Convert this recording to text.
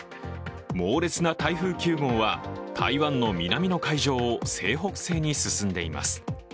猛烈な台風９号は台湾の南の海上を西北西に進んでいます。